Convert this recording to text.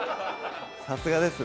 さすがですね